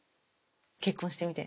結婚してみて。